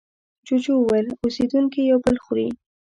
جوجو وویل اوسېدونکي یو بل خوري.